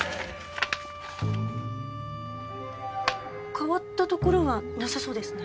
変わったところはなさそうですね。